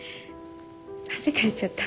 汗かいちゃった。